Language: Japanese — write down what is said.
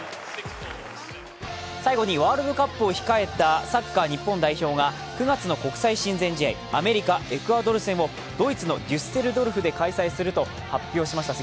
最後にワールドカップを控えたサッカー日本代表が、９月の国際親善試合、アメリカ、エクアドル戦をドイツのデュッセルドルフで開催すると発表しました。